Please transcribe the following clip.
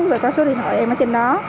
rồi có số điện thoại em ở trên đó